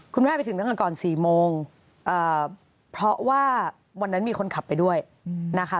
ไปถึงตั้งแต่ก่อน๔โมงเพราะว่าวันนั้นมีคนขับไปด้วยนะคะ